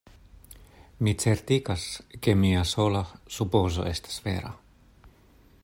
Mi certigas, ke mia sola supozo estas vera.